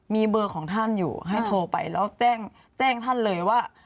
มีเบอร์ของท่านอยู่ให้โทรไปแล้วแจ้งท่านเลยว่า